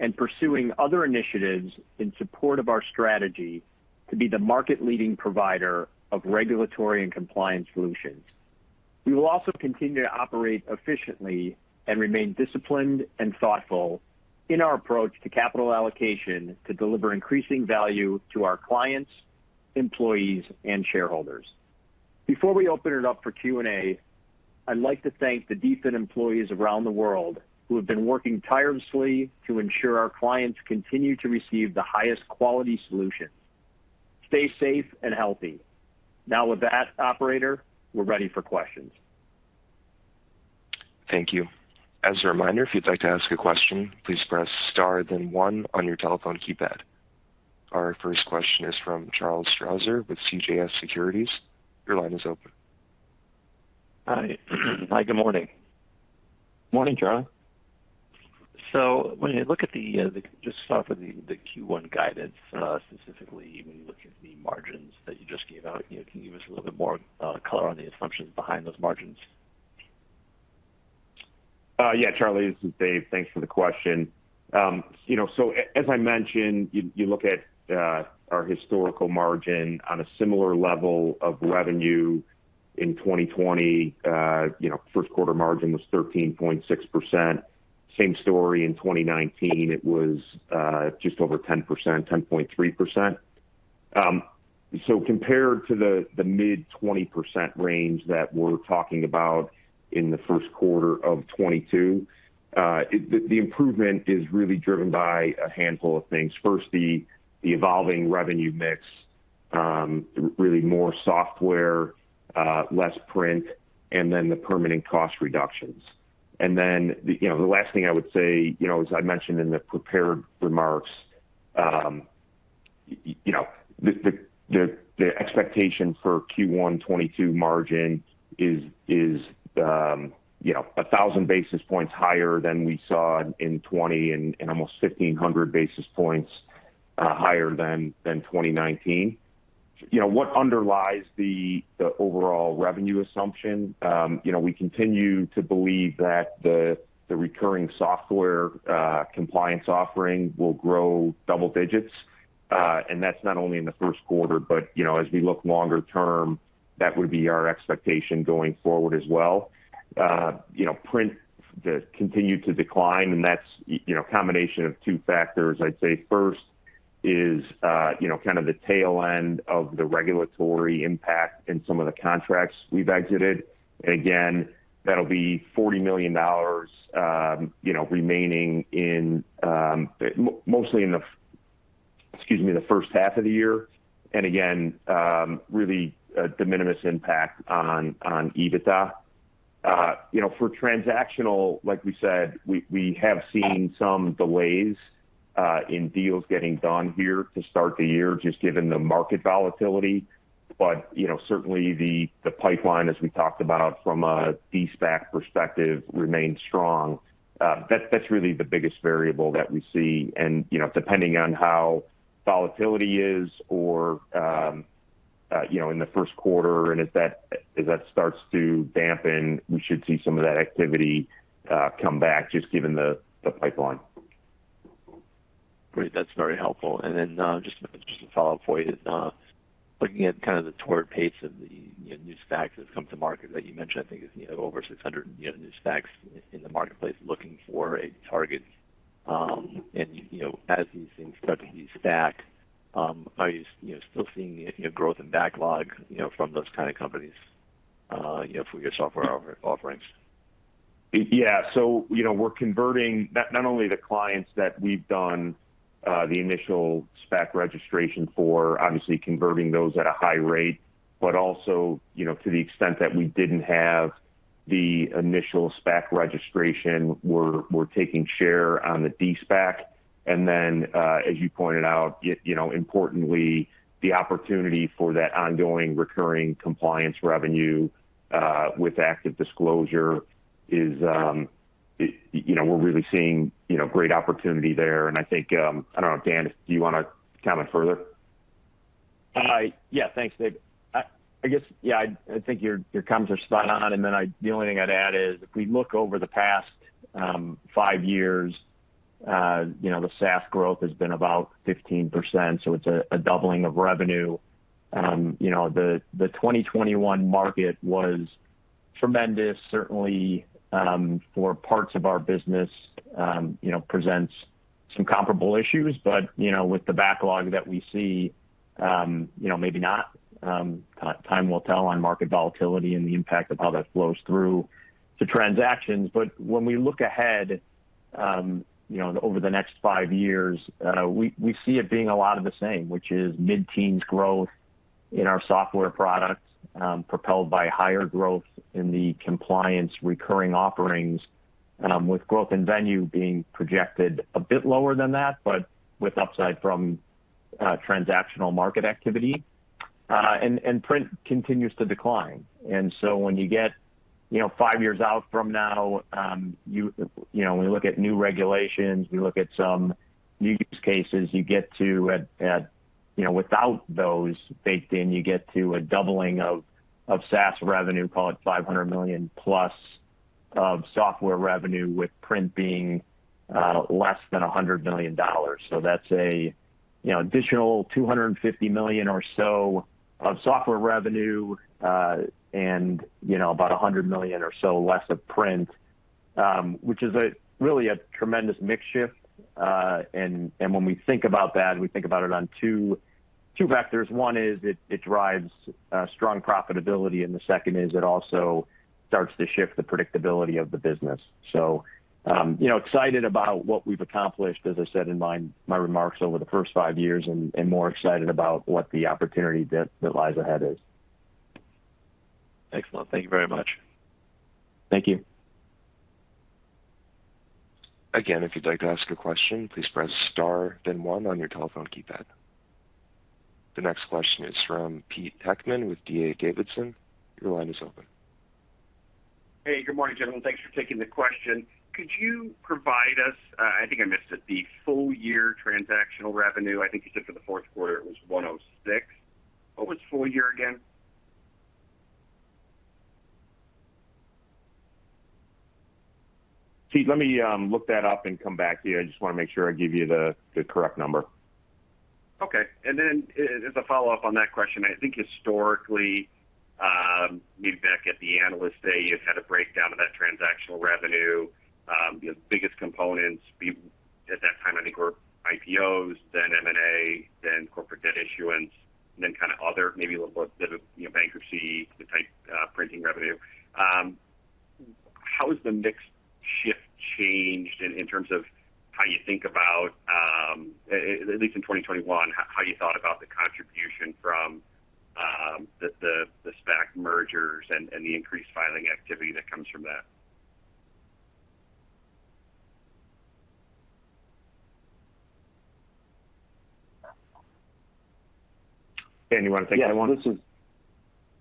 and pursuing other initiatives in support of our strategy to be the market-leading provider of regulatory and compliance solutions. We will also continue to operate efficiently and remain disciplined and thoughtful in our approach to capital allocation to deliver increasing value to our clients, employees, and shareholders. Before we open it up for Q&A, I'd like to thank the DFIN employees around the world who have been working tirelessly to ensure our clients continue to receive the highest quality solutions. Stay safe and healthy. Now with that, operator, we're ready for questions. Thank you. As a reminder, if you'd like to ask a question, please press star then one on your telephone keypad. Our first question is from Charles Strauzer with CJS Securities. Your line is open. Hi. Hi, good morning. Morning, Charles. Just start with the Q1 guidance, specifically when you look at the margins that you just gave out, you know, can you give us a little bit more color on the assumptions behind those margins? Yeah, Charlie, this is Dave. Thanks for the question. You know, as I mentioned, you look at our historical margin on a similar level of revenue in 2020, you know, first quarter margin was 13.6%. Same story in 2019, it was just over 10%, 10.3%. Compared to the mid-20% range that we're talking about in the first quarter of 2022, the improvement is really driven by a handful of things. First, the evolving revenue mix, really more software, less print, and then the permanent cost reductions. Then, you know, the last thing I would say, you know, as I mentioned in the prepared remarks, you know, the expectation for Q1 2022 margin is, you know, 1000 basis points higher than we saw in 2020 and almost 1500 basis points higher than 2019. You know, what underlies the overall revenue assumption, you know, we continue to believe that the recurring software compliance offering will grow double digits. That's not only in the first quarter, but, you know, as we look longer term, that would be our expectation going forward as well. You know, print continued to decline, and that's, you know, a combination of two factors. I'd say first is, you know, kind of the tail end of the regulatory impact in some of the contracts we've exited. Again, that'll be $40 million, you know, remaining, mostly in the first half of the year. again, really a de minimis impact on EBITDA. You know, for transactional, like we said, we have seen some delays in deals getting done here to start the year, just given the market volatility. You know, certainly the pipeline, as we talked about from a de-SPAC perspective, remains strong. that's really the biggest variable that we see. You know, depending on how volatility is or, you know, in the first quarter and as that starts to dampen, we should see some of that activity come back just given the pipeline. Great. That's very helpful. Just to follow up for you. Looking at kind of the torrid pace of the, you know, new SPACs that have come to market that you mentioned, I think it's, you know, over 600, you know, new SPACs in the marketplace looking for a target. You know, as these things start to de-SPAC, you know, still seeing, you know, growth and backlog, you know, from those kind of companies, you know, for your software offerings? Yeah. You know, we're converting not only the clients that we've done the initial SPAC registration for, obviously converting those at a high rate, but also, you know, to the extent that we didn't have the initial SPAC registration, we're taking share on the de-SPAC. As you pointed out, you know, importantly, the opportunity for that ongoing recurring compliance revenue with ActiveDisclosure is, you know, we're really seeing, you know, great opportunity there. I think, I don't know, Dan, do you wanna comment further? Yeah. Thanks, Dave. I guess, yeah, I think your comments are spot on. The only thing I'd add is, if we look over the past five years, you know, the SaaS growth has been about 15%, so it's a doubling of revenue. You know, the 2021 market was tremendous, certainly, for parts of our business, you know, presents some comparable issues. You know, with the backlog that we see, you know, maybe not, time will tell on market volatility and the impact of how that flows through to transactions. When we look ahead, you know, over the next five years, we see it being a lot of the same, which is mid-teens growth in our software products, propelled by higher growth in the compliance recurring offerings, with growth in Venue being projected a bit lower than that, but with upside from transactional market activity. Print continues to decline. When you get, you know, five years out from now, you know, when we look at new regulations, we look at some use cases, you get to a, you know, without those baked in, you get to a doubling of SaaS revenue, call it $500 million plus of software revenue, with print being less than $100 million. That's you know additional $250 million or so of software revenue and you know about $100 million or so less of print which is really a tremendous mix shift. When we think about that, we think about it on two vectors. One is it drives strong profitability, and the second is it also starts to shift the predictability of the business. You know excited about what we've accomplished, as I said in my remarks over the first five years and more excited about what the opportunity that lies ahead is. Excellent. Thank you very much. Thank you. Again, if you'd like to ask a question, please press star then one on your telephone keypad. The next question is from Pete Heckmann with D.A. Davidson. Your line is open. Hey, good morning, gentlemen. Thanks for taking the question. Could you provide us, I think I missed it, the full year transactional revenue? I think you said for the fourth quarter it was $106. What was full year again? Pete, let me look that up and come back to you. I just wanna make sure I give you the correct number. Okay. As a follow-up on that question, I think historically, maybe back at the Analyst Day, you've had a breakdown of that transactional revenue. The biggest components at that time I think were IPOs, then M&A, then corporate debt issuance, and then kind of other, maybe a little bit of, you know, bankruptcy type printing revenue. How has the mix shift changed in terms of how you think about at least in 2021, how you thought about the contribution from the SPAC mergers and the increased filing activity that comes from that? Dan, you wanna take that one? Yeah. This is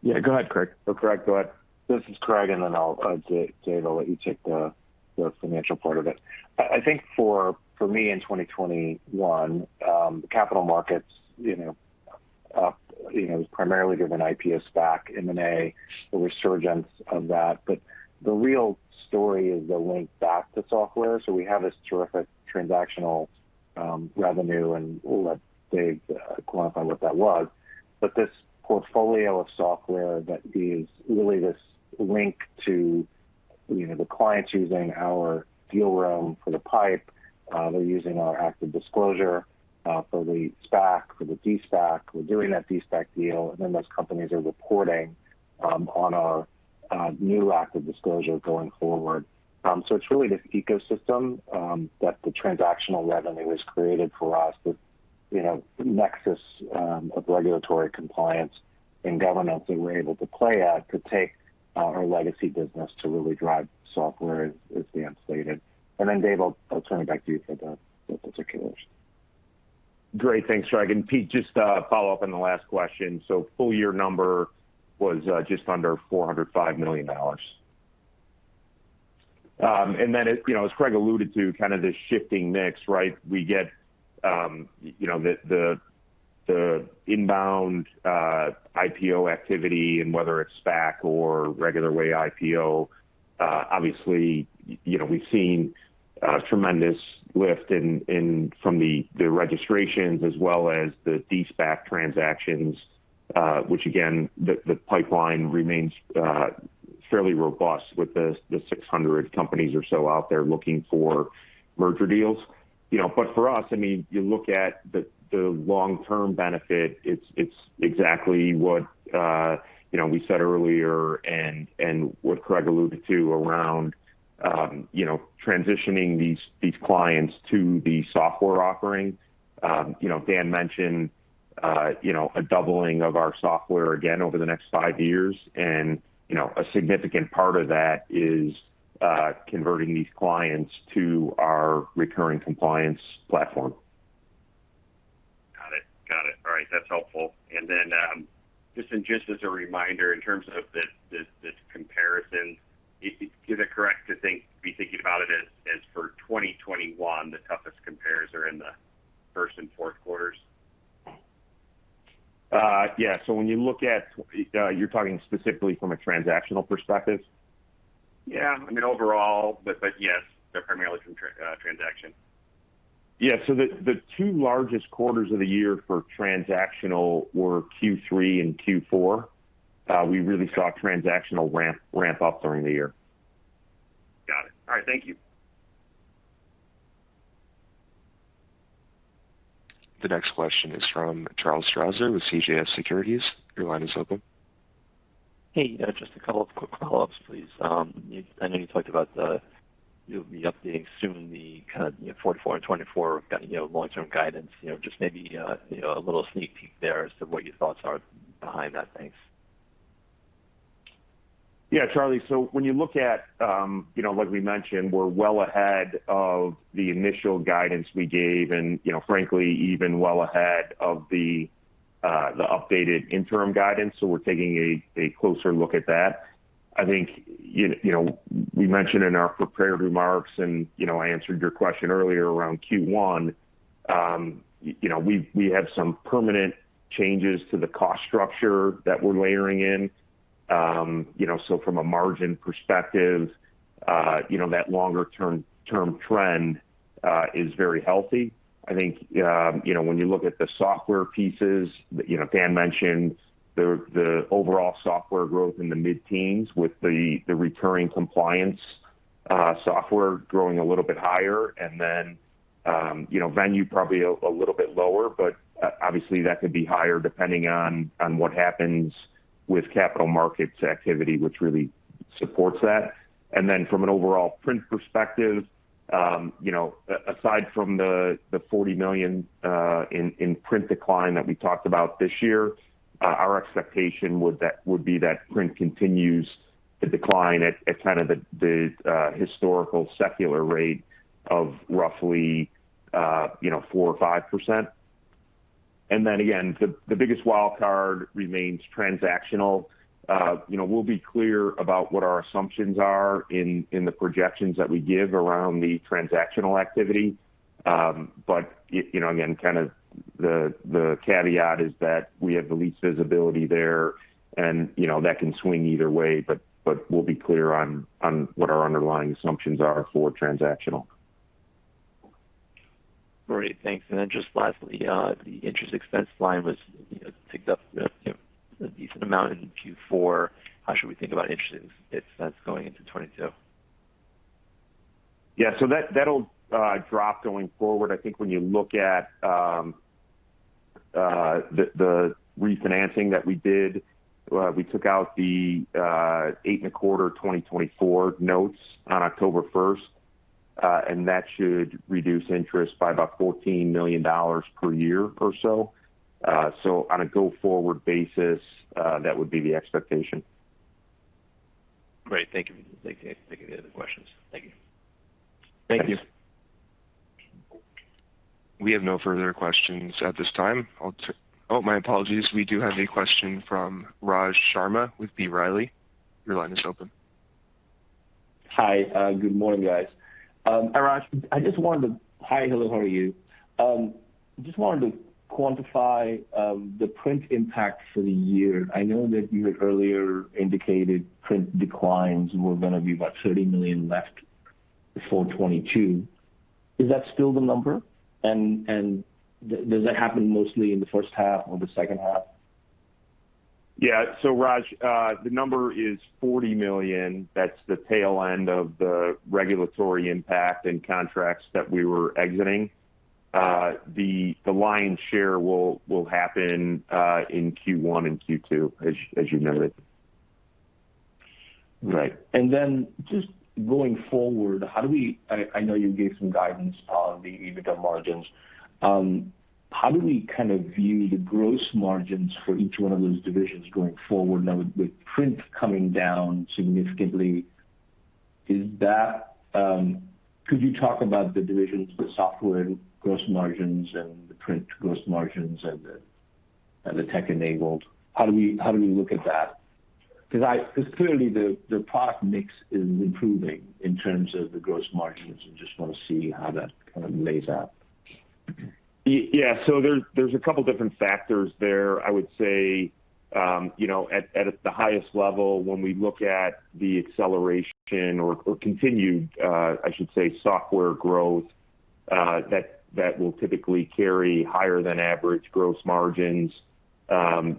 Yeah, go ahead, Craig. Craig, go ahead. This is Craig, and then I'll let Dave take the financial part of it. I think for me in 2021, the capital markets, you know, you know, primarily driven IPO, SPAC, M&A, the resurgence of that, but the real story is the link back to software. We have this terrific transactional revenue, and we'll let Dave quantify what that was. This portfolio of software that is really this link to, you know, the clients using our deal room for the pipe, they're using our ActiveDisclosure for the SPAC, for the de-SPAC. We're doing that de-SPAC deal, and then those companies are reporting on our New ActiveDisclosure going forward. It's really this ecosystem that the transactional revenue was created for us, this you know nexus of regulatory compliance and governance that we're able to play at to take our legacy business to really drive software, as Dan stated. Dave, I'll turn it back to you for the particulars. Great. Thanks, Craig. Pete, just a follow-up on the last question. Full year number was just under $405 million. Then it, you know, as Craig alluded to, kind of the shifting mix, right? We get the inbound IPO activity and whether it's SPAC or regular way IPO. Obviously, you know, we've seen a tremendous lift from the registrations as well as the de-SPAC transactions, which again, the pipeline remains fairly robust with the 600 companies or so out there looking for merger deals. You know, for us, I mean, you look at the long-term benefit, it's exactly what we said earlier and what Craig alluded to around transitioning these clients to the software offering. You know, Dan mentioned, you know, a doubling of our software again over the next five years. You know, a significant part of that is converting these clients to our recurring compliance platform. Got it. All right. That's helpful. Just as a reminder, in terms of this comparison, is it correct to be thinking about it as for 2021, the toughest compares are in the first and fourth quarters? Yeah. When you look at, you're talking specifically from a transactional perspective? Yeah. I mean, overall, but yes, they're primarily from transaction. The two largest quarters of the year for transactional were Q3 and Q4. We really saw transactional ramp up during the year. Got it. All right. Thank you. The next question is from Charles Strauzer with CJS Securities. Your line is open. Hey, just a couple of quick follow-ups, please. I know you talked about that you'll be updating soon the kind of, you know, 44 in 2024 kind of, you know, long-term guidance. You know, just maybe, a little sneak peek there as to what your thoughts are behind that. Thanks. Yeah, Charlie. When you look at, you know, like we mentioned, we're well ahead of the initial guidance we gave, and, you know, frankly, even well ahead of the updated interim guidance. We're taking a closer look at that. I think you know we mentioned in our prepared remarks, and, you know, I answered your question earlier around Q1, you know, we have some permanent changes to the cost structure that we're layering in. You know, so from a margin perspective, you know, that longer term trend is very healthy. I think, you know, when you look at the software pieces, you know, Dan mentioned the overall software growth in the mid-teens with the recurring compliance software growing a little bit higher and then, you know, Venue probably a little bit lower, but obviously that could be higher depending on what happens with capital markets activity, which really supports that. From an overall print perspective, you know, aside from the $40 million in print decline that we talked about this year, our expectation would be that print continues to decline at kind of the historical secular rate of roughly, you know, 4% or 5%. The biggest wild card remains transactional. You know, we'll be clear about what our assumptions are in the projections that we give around the transactional activity. You know, again, kind of the caveat is that we have the least visibility there and, you know, that can swing either way, but we'll be clear on what our underlying assumptions are for transactional. Great. Thanks. Just lastly, the interest expense line was picked up a decent amount in Q4. How should we think about interest expense going into 2022? Yeah. That'll drop going forward. I think when you look at the refinancing that we did, we took out the 8.25 2024 notes on October 1st, and that should reduce interest by about $14 million per year or so. On a go-forward basis, that would be the expectation. Great. Thank you. I think I have no other questions. Thank you. Thank you. We have no further questions at this time. Oh, my apologies. We do have a question from Raj Sharma with B. Riley. Your line is open. Hi. Good morning, guys. I just wanted to quantify the print impact for the year. I know that you had earlier indicated print declines were gonna be about $30 million left for 2022. Is that still the number? Does that happen mostly in the first half or the second half? Yeah. Raj, the number is $40 million. That's the tail end of the regulatory impact and contracts that we were exiting. The lion's share will happen in Q1 and Q2, as you noted. Right. Then just going forward, how do we—I know you gave some guidance on the EBITDA margins. How do we kind of view the gross margins for each one of those divisions going forward now with print coming down significantly? Could you talk about the divisions, the software gross margins and the print gross margins and the tech enabled. How do we look at that? 'Cause clearly the product mix is improving in terms of the gross margins. I just wanna see how that kind of lays out. Yeah. There's a couple different factors there. I would say, you know, at the highest level, when we look at the acceleration or continued, I should say, software growth, that will typically carry higher than average gross margins.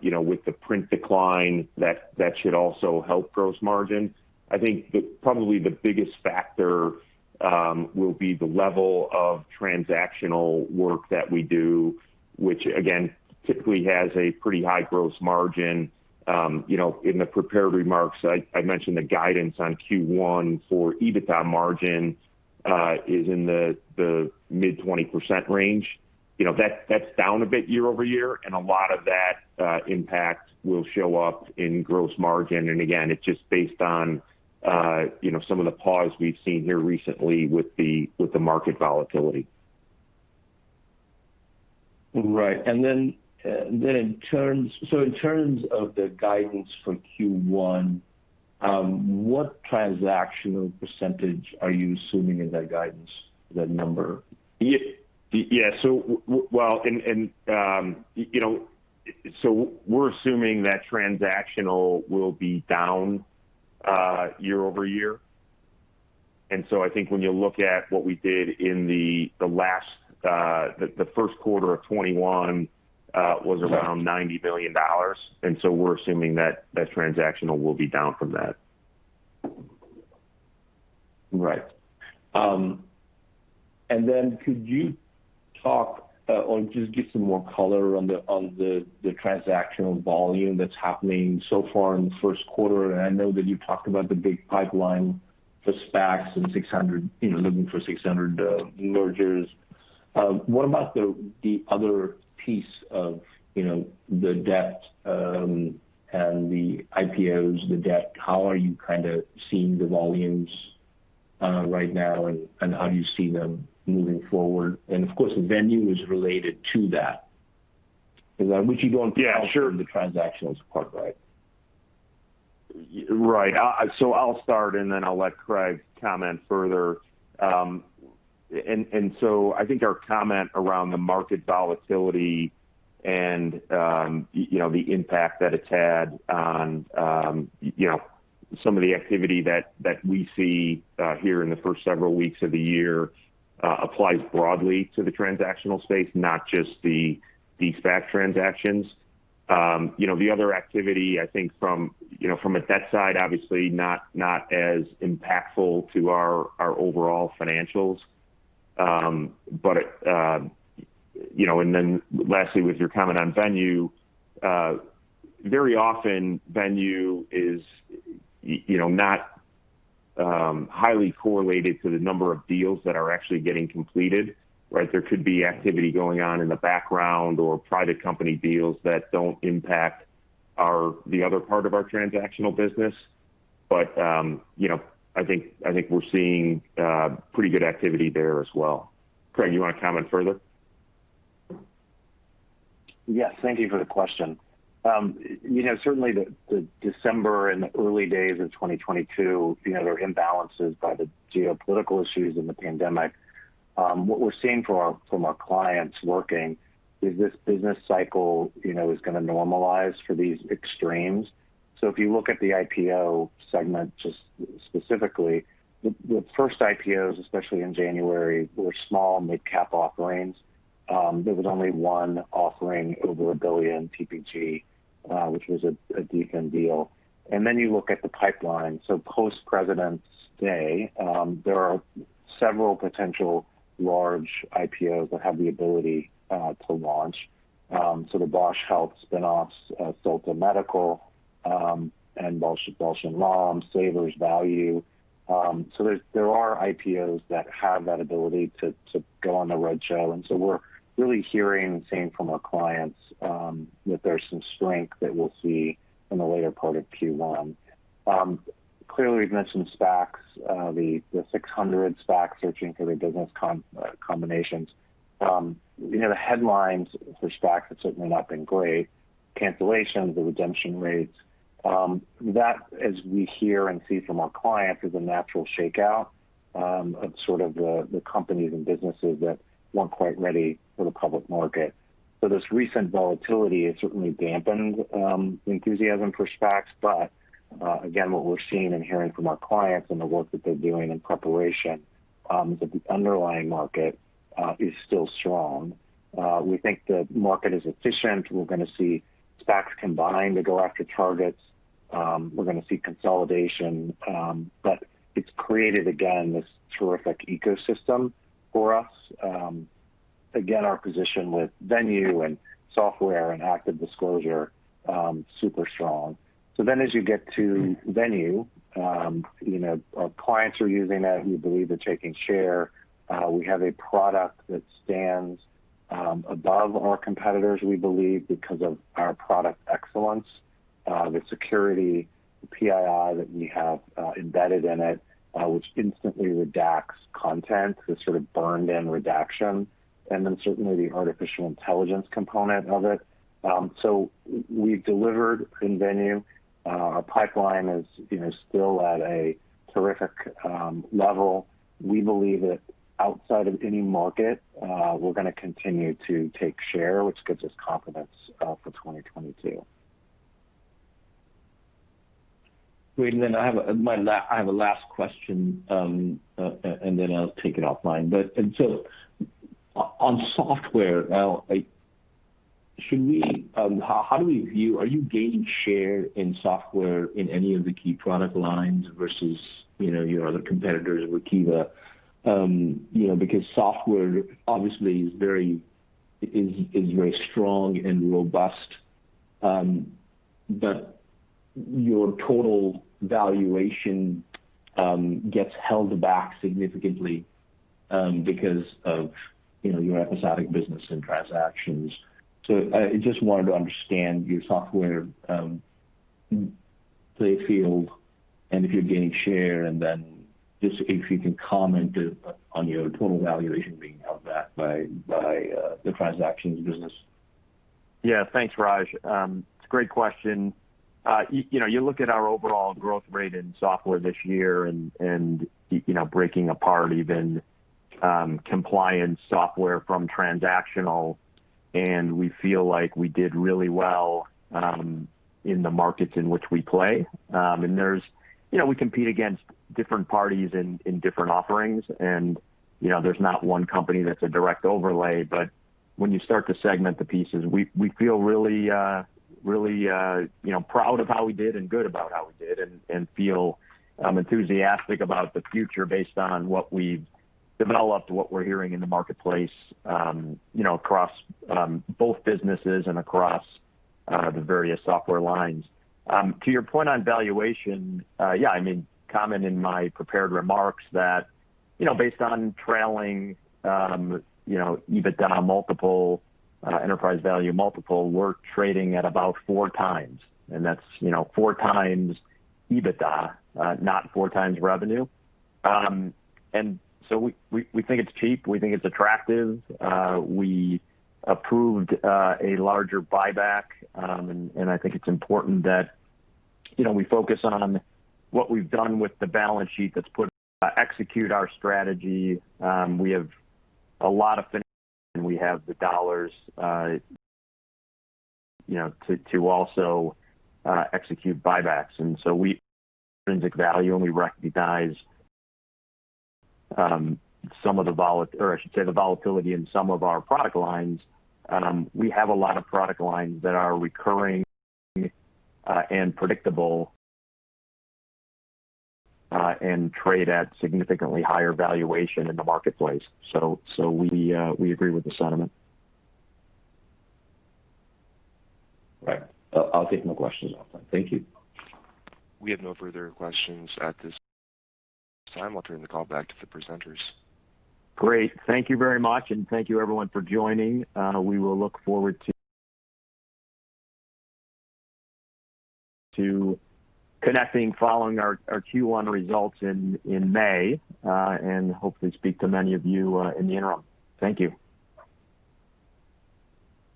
You know, with the print decline, that should also help gross margin. I think probably the biggest factor will be the level of transactional work that we do, which again, typically has a pretty high gross margin. You know, in the prepared remarks, I mentioned the guidance on Q1 for EBITDA margin is in the mid-20% range. You know, that's down a bit year-over-year, and a lot of that impact will show up in gross margin. Again, it's just based on, you know, some of the pause we've seen here recently with the market volatility. Right. In terms of the guidance for Q1, what transactional percentage are you assuming in that guidance, that number? Yes. We're assuming that transactional will be down year-over-year. I think when you look at what we did in the first quarter of 2021 was around $90 billion. We're assuming that transactional will be down from that. Right. Could you talk, or just give some more color on the transactional volume that's happening so far in the first quarter? I know that you talked about the big pipeline for SPACs and 600, you know, looking for 600 mergers. What about the other piece of, you know, the debt and the IPOs? How are you kinda seeing the volumes right now, and how do you see them moving forward? Of course, the Venue is related to that. Is that what you don't- Yeah, sure. The transactionals part, right? Right. I'll start, and then I'll let Craig comment further. I think our comment around the market volatility and you know the impact that it's had on you know some of the activity that we see here in the first several weeks of the year applies broadly to the transactional space, not just the SPAC transactions. You know, the other activity I think from you know from a debt side obviously not as impactful to our overall financials. You know, lastly, with your comment on Venue, very often Venue is you know not highly correlated to the number of deals that are actually getting completed, right? There could be activity going on in the background or private company deals that don't impact our, the other part of our transactional business. You know, I think we're seeing pretty good activity there as well. Craig, you wanna comment further? Yes. Thank you for the question. You know, certainly the December and the early days of 2022, you know, there were imbalances by the geopolitical issues and the pandemic. What we're seeing from our clients working is this business cycle, you know, is gonna normalize for these extremes. If you look at the IPO segment just specifically, the first IPOs, especially in January, were small mid-cap offerings. There was only one offering over $1 billion, PPG, which was a taken deal. Then you look at the pipeline. Post-President's Day, there are several potential large IPOs that have the ability to launch. The Bausch Health spin-offs, Solta Medical, and Bausch + Lomb, Savers Value. There are IPOs that have that ability to go on the roadshow. We're really hearing and seeing from our clients that there's some strength that we'll see in the later part of Q1. Clearly we've mentioned SPACs, the 600 SPACs searching for their business combinations. You know, the headlines for SPACs have certainly not been great. Cancellations, the redemption rates, that as we hear and see from our clients is a natural shakeout of sort of the companies and businesses that weren't quite ready for the public market. This recent volatility has certainly dampened enthusiasm for SPACs. Again, what we're seeing and hearing from our clients and the work that they're doing in preparation is that the underlying market is still strong. We think the market is efficient. We're gonna see SPACs combine to go after targets. We're gonna see consolidation. It's created again, this terrific ecosystem for us. Again, our position with Venue and software and ActiveDisclosure, super strong. As you get to Venue, you know, our clients are using that. We believe they're taking share. We have a product that stands above our competitors, we believe, because of our product excellence. The security PII that we have embedded in it, which instantly redacts content, the sort of burned in redaction, and then certainly the artificial intelligence component of it. We've delivered in Venue. Our pipeline is, you know, still at a terrific level. We believe that outside of any market, we're gonna continue to take share, which gives us confidence for 2022. I have a last question, and then I'll take it offline. On software, how do we view—are you gaining share in software in any of the key product lines versus, you know, your other competitors, Workiva? You know, because software obviously is very strong and robust. But your total valuation gets held back significantly, because of, you know, your episodic business and transactions. I just wanted to understand your software playing field and if you're gaining share, and then just if you can comment on your total valuation being held back by the transactions business. Yeah. Thanks, Raj. It's a great question. You know, you look at our overall growth rate in software this year and you know, breaking apart even compliance software from transactional, and we feel like we did really well in the markets in which we play. There's you know, we compete against different parties in different offerings and you know, there's not one company that's a direct overlay. When you start to segment the pieces, we feel really really you know, proud of how we did and good about how we did and feel enthusiastic about the future based on what we've developed, what we're hearing in the marketplace you know, across both businesses and across the various software lines. To your point on valuation, yeah, I made comment in my prepared remarks that, you know, based on trailing EBITDA multiple, enterprise value multiple, we're trading at about 4x, and that's, you know, 4x EBITDA, not 4x revenue. We think it's cheap. We think it's attractive. We approved a larger buyback. I think it's important that, you know, we focus on what we've done with the balance sheet that's positioned us to execute our strategy. We have a lot of flexibility, and we have the dollars, you know, to also execute buybacks. We see intrinsic value, and we recognize some of the volatility in some of our product lines. We have a lot of product lines that are recurring, and predictable, and trade at significantly higher valuation in the marketplace. We agree with the sentiment. Right. I'll take my questions offline. Thank you. We have no further questions at this time. I'll turn the call back to the presenters. Great. Thank you very much, and thank you everyone for joining. We will look forward to connecting following our Q1 results in May, and hopefully speak to many of you in the interim. Thank you.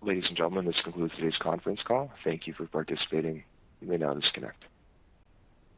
Ladies and gentlemen, this concludes today's conference call. Thank you for participating. You may now disconnect.